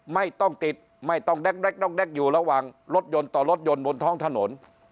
ไม่ต้องติดไม่ต้องแก๊กอยู่ระหว่างรถยนต์ต่อรถยนต์บนท้องถนน